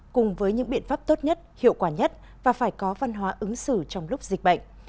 cùng với những biện pháp tốt nhất hiệu quả nhất và phải có văn hóa ứng xử trong lúc dịch bệnh